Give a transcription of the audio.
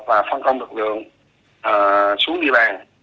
và phân công lực lượng xuống địa bàn